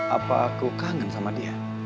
apa aku kangen sama dia